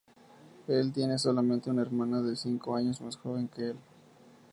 Él tiene solamente una hermana de cinco años más joven que el.